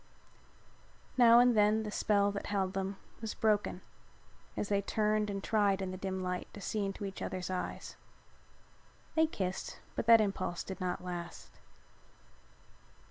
Now and then the spell that held them was broken and they turned and tried in the dim light to see into each other's eyes. They kissed but that impulse did not last.